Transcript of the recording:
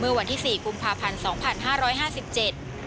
วันที่สี่กุมภาพันธ์สองพันห้าร้อยห้าสิบเจ็ด